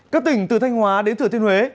các tỉnh từ thanh hóa đến thừa thiên huế